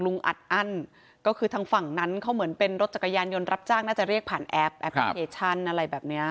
อัดอั้นก็คือทางฝั่งนั้นเขาเหมือนเป็นรถจักรยานยนต์รับจ้างน่าจะเรียกผ่านแอปแอปพลิเคชันอะไรแบบเนี้ย